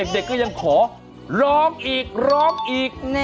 เด็กก็ยังขอร้องอีกร้องอีก